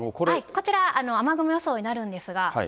こちら、雨雲予想になるんですが。